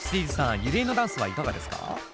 ＹＵＲＩＥのダンスはいかがですか？